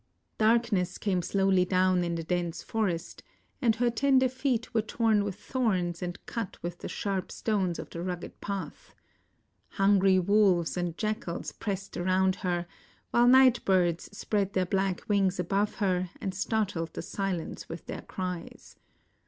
Darkness came slowly down in the dense forest, and her tender feet were torn with thorns and cut with the sharp stones of the rugged path. Hungry wolves and 21 INDIA jackals pressed around her, while night birds spread their black w ings above her and startled the silence with their cries.